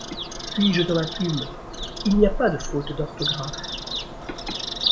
Puis jetant la plume :— Il n’y a pas de fautes d’orthographe.